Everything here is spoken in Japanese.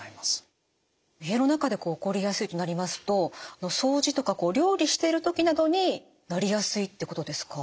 家の中で起こりやすいとなりますと掃除とか料理している時などになりやすいってことですか？